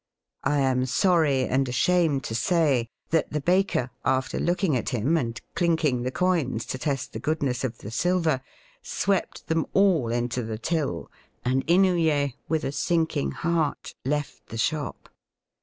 I am sorry and ashamed to say say that the baker, after looking at him and clinking the coins to test the goodness of the silver, swept them all into the till, and Inouye, with a sinking heart, left the shop.